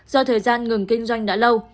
do thời gian ngừng kinh doanh đã lâu